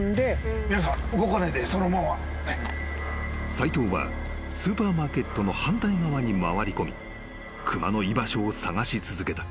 ［斎藤はスーパーマーケットの反対側に回りこみ熊の居場所を捜し続けた］